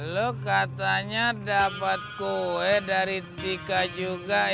lo katanya dapet kue dari dika juga ya